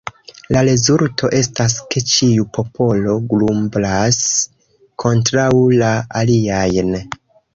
La rezulto estas ke ĉiu popolo grumblas kontraŭ la aliajn.